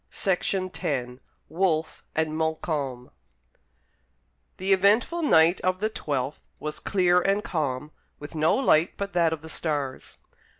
Herrick WOLFE AND MONTCALM The eventful night of the twelfth was clear and calm, with no light but that of the stars.